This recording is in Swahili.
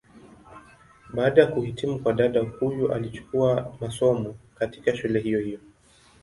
Baada ya kuhitimu kwa dada huyu alichukua masomo, katika shule hiyo hiyo.